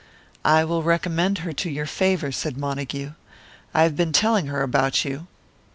"I will recommend her to your favour," said Montague. "I have been telling her about you."